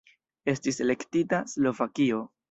Estis elektita Slovakio.